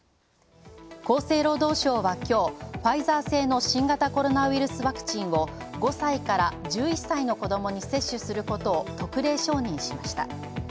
厚生労働省は今日、ファイザー製の新型コロナウイルスワクチンを５歳から１１歳の子供に接種することを特例承認しました。